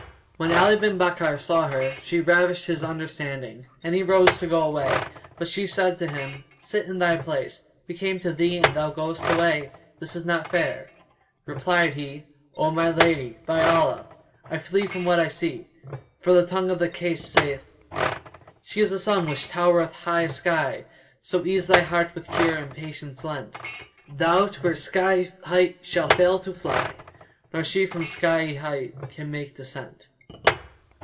When Ali bin Bakkar saw her, she ravished his understanding and he rose to go away; but she said to him, "Sit in thy place. We came to thee and thou goest away: this is not fair!" Replied he, "O my lady, by Allah, I flee from what I see; for the tongue of the case saith, 'She is a sun which towereth high a sky; * So ease thy heart with cure by Patience lent: Thou to her skyey height shalt fail to fly; * Nor she from skyey height can make descent.'"